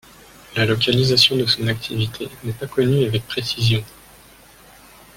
La localisation de son activité n'est pas connue avec précision.